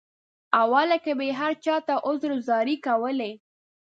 اوله کې به یې هر چاته عذر او زارۍ کولې.